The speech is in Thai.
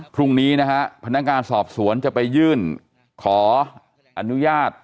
พรุ่งนี้นะฮะพนักงานสอบสวนจะไปยื่นขออนุญาต